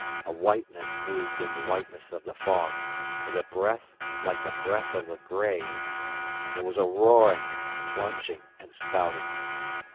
A whiteness moved in the whiteness of the fog with a breath like the breath of the grave, and there was a roaring, a plunging, and spouting.